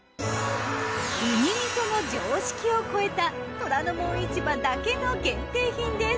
うに味噌の常識を超えた『虎ノ門市場』だけの限定品です。